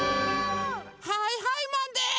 はいはいマンです！